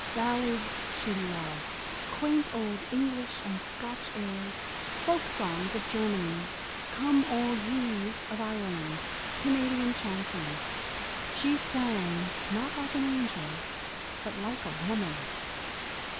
Ballads she loved, quaint old English and Scotch airs, folk songs of Germany, "Come all ye's" of Ireland, Canadian chansons. She sang not like an angel, but like a woman.